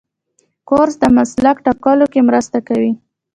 کورس د مسلک ټاکلو کې مرسته کوي.